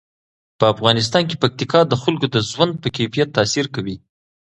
په افغانستان کې پکتیکا د خلکو د ژوند په کیفیت تاثیر کوي.